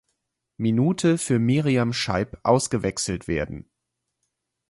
Minute für Miriam Scheib ausgewechselt werden.